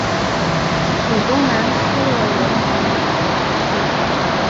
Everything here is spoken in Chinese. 属东南斯洛文尼亚统计区。